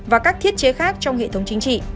và các thiết chế khác trong hệ thống chính trị